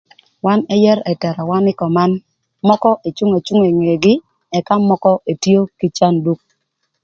Wan ëyërö ëtëla wa nï köman mökö ëcüng acünga ï ngegï ëka mökö etio kï canduk.